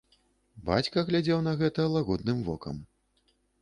Бацька глядзеў на гэта лагодным вокам.